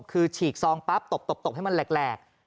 คือฉีกซองปั๊บตบให้มันแหลก